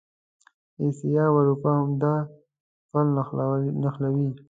اسیا او اروپا همدا پل نښلوي.